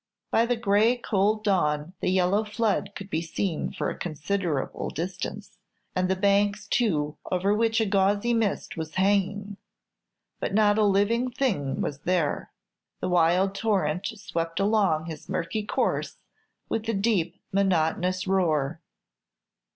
By the gray cold dawn, the yellow flood could be seen for a considerable distance, and the banks too, over which a gauzy mist was hanging; but not a living thing was there! The wild torrent swept along his murky course with a deep monotonous roar.